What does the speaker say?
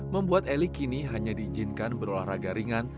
membuat eli kini hanya diizinkan berolahraga ringan